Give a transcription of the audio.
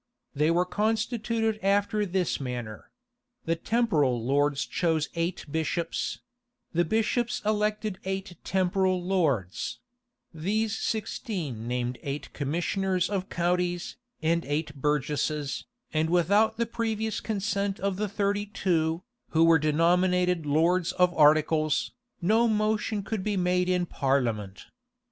They were constituted after this manner: The temporal lords chose eight bishops: the bishops elected eight temporal lords: these sixteen named eight commissioners of counties, and eight burgesses, and without the previous consent of the thirty two, who were denominated lords of articles, no motion could be made in parliament.